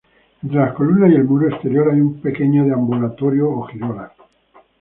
Entre las columnas y el muro exterior hay un pequeño deambulatorio o girola.